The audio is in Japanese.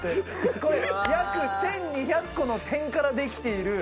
これ約１２００個の点から出来ている。